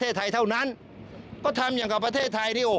การตั้งเงื่อนไขผู้เข้าประมูลมีความขัดแย้งในส่วนคุณสมบัติดังกล่าวว่า